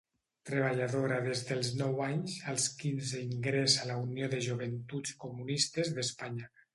Treballadora des dels nou anys, als quinze ingressa a la Unió de Joventuts Comunistes d'Espanya.